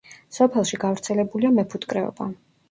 სოფელში გავრცელებულია მეფუტკრეობა.